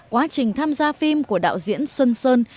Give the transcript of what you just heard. quá trình tham gia phim của đạo diễn xuân sơn